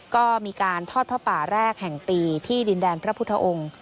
ก็มีการทอดพระป่าแรกแห่งปีที่ดินแดนพระพุทธองค์